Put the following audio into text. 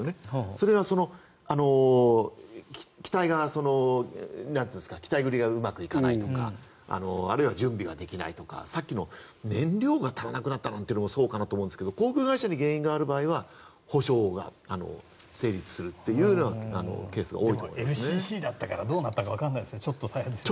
それが機体繰りがうまくいかないとかあるいは準備ができないとかさっきの燃料が足らなくなったというのもそうかなと思うんですけど航空会社に原因がある場合は補償が成立するというＬＣＣだったからどうなったかわからないですねちょっと大変ですね。